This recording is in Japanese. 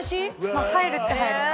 まあ入るっちゃ入るか。